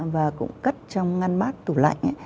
và cũng cất trong ngăn bát tủ lạnh ấy